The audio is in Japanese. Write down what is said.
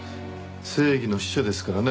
正義の使者ですからね。